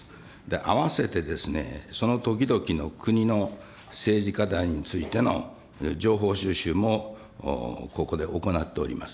併せて、その時々の国の政治課題についての情報収集もここで行っております。